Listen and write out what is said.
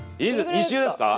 ２周ですか？